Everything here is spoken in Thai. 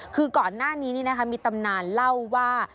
คือก่อนหน้านี้มีตำนานเล่าว่า